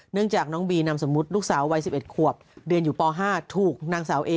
เนื่องจากน้องบีนำสมมุทรลูกสาววัย๑๑ขวบเดือนอยู่ป๕ถูกนางสาวเอ